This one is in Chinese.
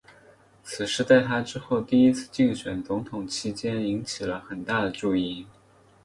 此事在他之后第一次竞选总统期间引起了很大的注意。